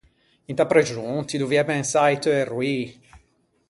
Inta prexon ti doviæ pensâ a-i teu erroî.